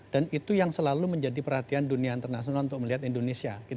dan itu yang selalu menjadi perhatian dunia internasional untuk melihat indonesia